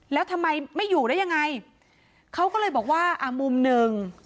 แล้วทำไมไม่อยู่ได้ยังไงเขาก็เลยบอกว่าอ่ามุมหนึ่ง